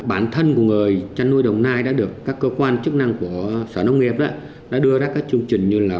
bản thân của người chăn nuôi đồng nai đã được các cơ quan chức năng của sở nông nghiệp đã đưa ra các chương trình như là